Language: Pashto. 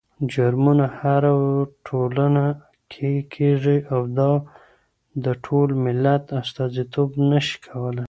جرمونه هره ټولنه کې کېږي او دا د ټول ملت استازيتوب نه شي کولی.